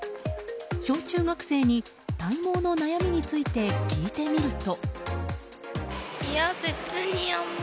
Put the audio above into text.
小中学生に体毛の悩みについて聞いてみると。